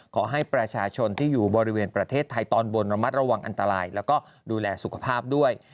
ขอให้ประชาชนที่อยู่บริเวณประเทศไทยตอนบนระมัดระวังอันตรายแล้วก็ดูแลสุขภาพด้วย